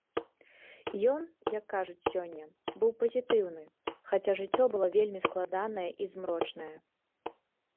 Ён, як кажуць сёння, быў пазітыўны, хаця жыццё было вельмі складанае і змрочнае.